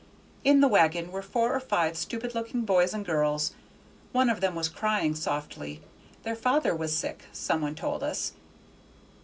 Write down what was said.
In the wagon were four or five stupid looking boys and girls, one of whom was crying softly. Their father was sick, some one told us.